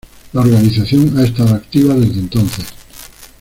La organización ha estado activa desde entonces.